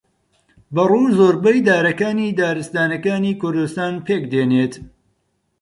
بەڕوو زۆربەی دارەکانی دارستانەکانی کوردستان پێک دێنێت